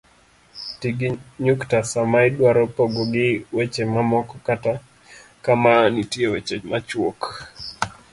Ti gi nyukta sama idwaro pogogi weche mamoko kata kama nitie weche machuok